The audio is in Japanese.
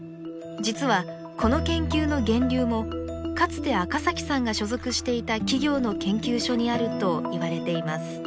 実はこの研究の源流もかつて赤さんが所属していた企業の研究所にあるといわれています。